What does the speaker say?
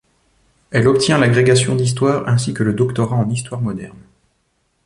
Elle obtient l'agrégation d'histoire ainsi que le doctorat en histoire moderne.